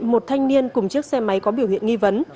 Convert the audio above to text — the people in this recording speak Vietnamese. một thanh niên cùng chiếc xe máy có biểu hiện nghi vấn